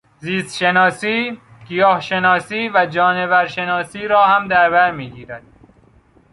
زیستشناسی، گیاه شناسی و جانور شناسی را هم در بر می گیرد.